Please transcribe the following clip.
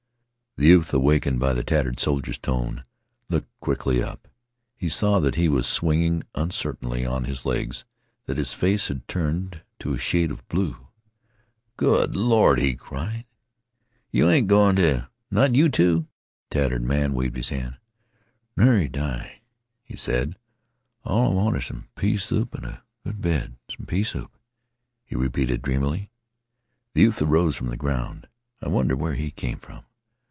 The youth, awakened by the tattered soldier's tone, looked quickly up. He saw that he was swinging uncertainly on his legs and that his face had turned to a shade of blue. "Good Lord!" he cried, "you ain't goin' t' not you, too." The tattered man waved his hand. "Nary die," he said. "All I want is some pea soup an' a good bed. Some pea soup," he repeated dreamfully. The youth arose from the ground. "I wonder where he came from.